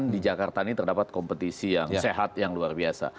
di jakarta ini terdapat kompetisi yang sehat yang luar biasa